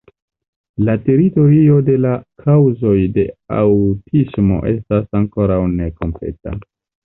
La teorio de la kaŭzoj de aŭtismo estas ankoraŭ nekompleta.